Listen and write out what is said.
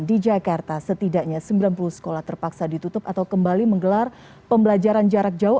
di jakarta setidaknya sembilan puluh sekolah terpaksa ditutup atau kembali menggelar pembelajaran jarak jauh